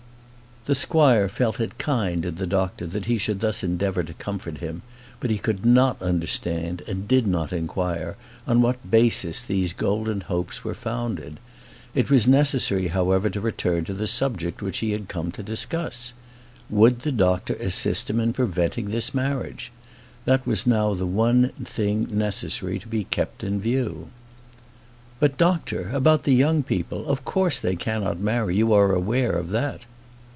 The squire felt it kind in the doctor that he should thus endeavour to comfort him; but he could not understand, and did not inquire, on what basis these golden hopes was founded. It was necessary, however, to return to the subject which he had come to discuss. Would the doctor assist him in preventing this marriage? That was now the one thing necessary to be kept in view. "But, doctor, about the young people; of course they cannot marry, you are aware of that."